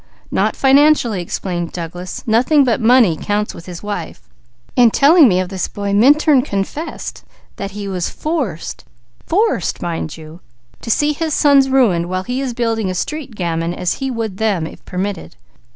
"Not financially," explained Douglas. "Nothing but money counts with his wife. In telling me of this boy, Minturn confessed that he was forced, forced mind you, to see his sons ruined, while he is building a street gamin as he would them, if permitted."